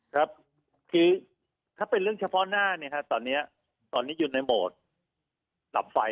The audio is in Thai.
ครับคือถ้าเป็นเรื่องเฉพาะหน้าเนี่ยครับตอนนี้อยู่ในโหมดดับไฟ